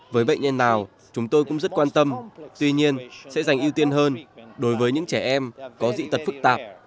với bệnh nhân nào chúng tôi cũng rất quan tâm tuy nhiên sẽ dành ưu tiên hơn đối với những trẻ em có dị tật phức tạp